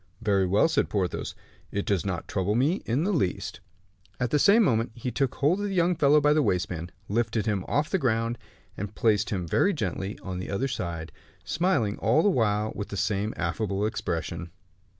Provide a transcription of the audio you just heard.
"Very well," said Porthos, "it does not trouble me in the least." At the same moment he took hold of the young fellow by the waistband, lifted him off the ground, and placed him very gently on the other side, smiling all the while with the same affable expression.